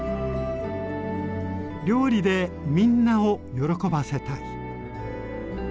「料理でみんなを喜ばせたい」。